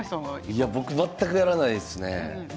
僕、全くやらないですね。